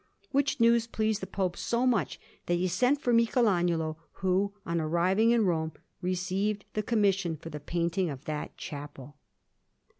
Which news pleased the Pope so much that he sent for Michelagnolo, who, on arriving in Rome, received the commission for the ceiling of that chapel.